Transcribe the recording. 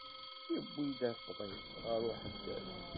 Yewwi-d afḍis ɣur uḥeddad.